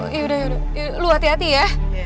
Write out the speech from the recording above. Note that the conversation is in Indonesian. yaudah yaudah lu hati hati ya